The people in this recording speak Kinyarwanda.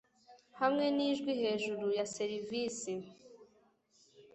hamwe nijwi hejuru ya serivisi